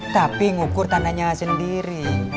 tapi ngukur tandanya sendiri